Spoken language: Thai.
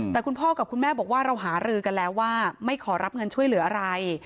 แต่คุณพ่อกับคุณแม่บอกว่าเราหารือกันแล้วว่าไม่ขอรับเงินช่วยเหลืออะไร